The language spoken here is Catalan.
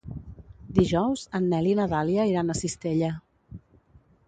Dijous en Nel i na Dàlia iran a Cistella.